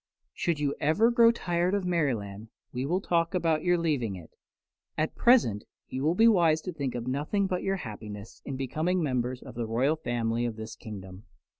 Should you ever grow tired of Merryland we will talk about your leaving it. At present you will be wise to think of nothing but your happiness in becoming members of the royal family of this kingdom."